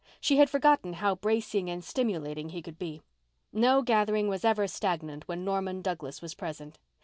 She had forgotten how bracing and stimulating he could be. No gathering was ever stagnant when Norman Douglas was present.